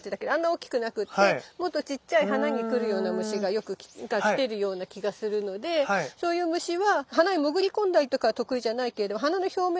大きくなくってもっとちっちゃい花に来るような虫がよく来てるような気がするのでそういう虫は花に潜り込んだりとかは得意じゃないけれど花の表面